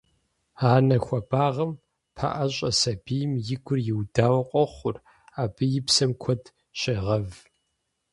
Анэ хуэбагъым пэӀэщӀэ сабийм и гур иудауэ къохъур, абы и псэм куэд щегъэв.